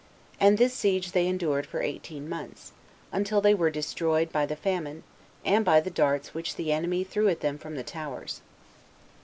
And this siege they endured for eighteen months, until they were destroyed by the famine, and by the darts which the enemy threw at them from the towers.